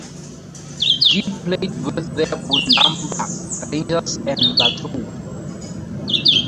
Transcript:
Gibb played with the Bundamba Rangers and Latrobe.